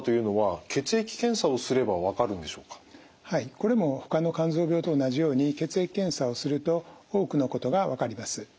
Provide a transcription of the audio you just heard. これもほかの肝臓病と同じように血液検査をすると多くのことが分かります。